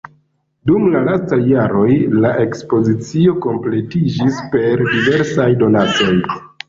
Dum la lastaj jaroj la ekspozicio kompletiĝis per diversaj donacoj.